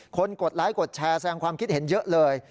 กดไลค์กดแชร์แสงความคิดเห็นเยอะเลย